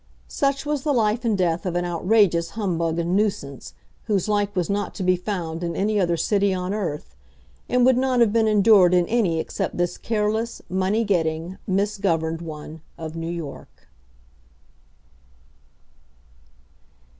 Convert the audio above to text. Such was the life and death of an outrageous humbug and nuisance, whose like was not to be found in any other city on earth; and would not have been endured in any except this careless, money getting, misgoverned one of New York.